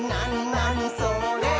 なにそれ？」